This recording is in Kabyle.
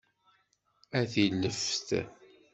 A tileft!